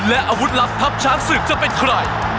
และอาวุธลับทัพช้างศึกจะเป็นใคร